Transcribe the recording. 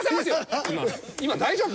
今大丈夫？